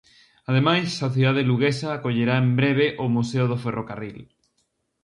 Ademais, a cidade luguesa acollerá en breve o Museo do Ferrocarril.